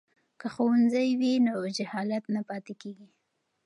که ښوونځی وي نو جهالت نه پاتیږي.